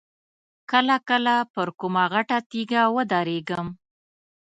کله کله پر کومه غټه تیږه ودرېږم.